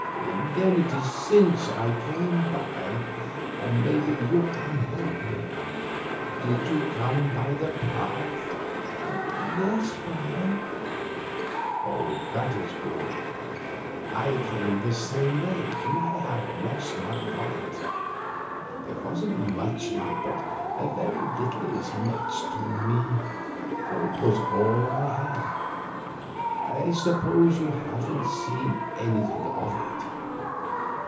"Then it is since I came by, and maybe you can help me. Did you come up by the path?" "Yes, Father." "That is good. I came the same way. I have lost my wallet. There wasn't much in it, but a very little is much to me, for it was all I had. I suppose you haven't seen anything of it?"